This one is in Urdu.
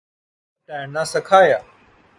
میں نے اسے تیرنا سکھایا۔